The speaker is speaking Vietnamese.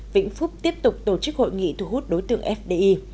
vĩnh phúc tiếp tục tổ chức hội nghị thu hút đối tượng fdi